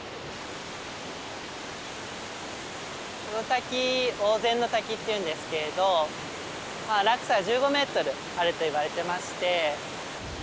この滝大ゼンノ滝っていうんですけれど落差１５ｍあるといわれていまして。